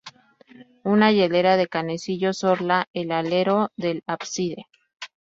Una hilera de canecillos orla el alero del ábside.